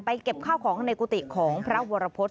เก็บข้าวของในกุฏิของพระวรพฤษ